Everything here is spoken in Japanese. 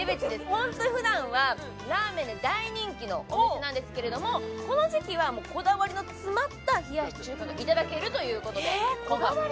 本当に普段はラーメンが大人気のお店なんですけれどもこの時期はもうこだわりの詰まった冷やし中華がいただけるということでこだわり？